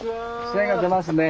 精が出ますね。